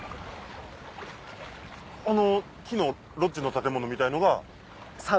あの木のロッジの建物みたいなのが？